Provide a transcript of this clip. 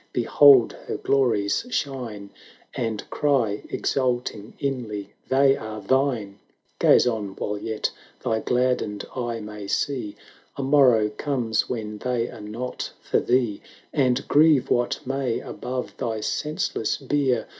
behold her glories shine, And cry, exulting inly, "They are thine !" Gaze on, while yet thy gladdened eye may see, — A morrow comes when they are not for thee: And grieve what may above thy senseless bier.